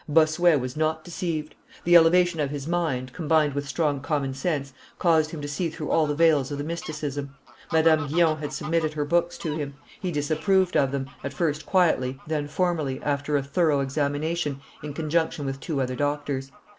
Bossuet was not deceived. The elevation of his mind, combined with strong common sense, caused him to see through all the veils of the mysticism. Madame Guyon had submitted her books to him; he disapproved of them, at first quietly, then formally, after a thorough examination in conjunction with two other doctors.